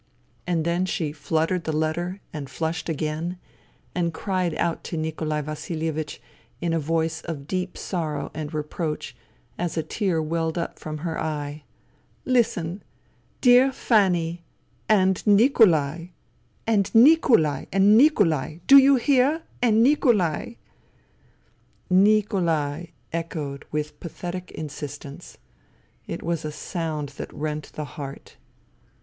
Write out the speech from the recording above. And then she fluttered the letter and flushed again, and cried out to Nikolai Vasilievich in a voice of deep sorrow and reproach, as a tear welled up from her eye :" Listen. ...' Dear Fanny ... and Nikolai I ' And Nikolai ! And Nikolai .'... Do you hear : And Nikolai! ..."' Nikolai — i — i —' echoed with pathetic insistence. It was a sound that rent the heart.